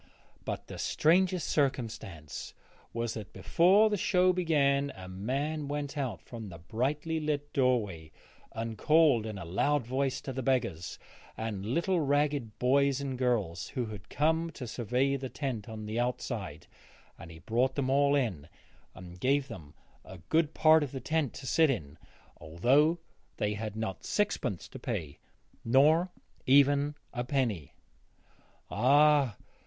But the strangest circumstance was that before the show began a man went out from the brightly lit doorway and called in a loud voice to the beggars and little ragged boys and girls who had come to survey the tent on the outside, and he brought them all in and gave them a good part of the tent to sit in, although they had not sixpence to pay, nor even a penny. Ah!